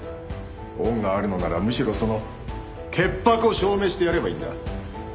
恩があるのならむしろその潔白を証明してやればいいんだ。